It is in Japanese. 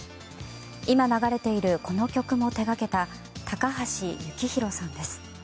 今流れているこの曲も手掛けた高橋幸宏さんです。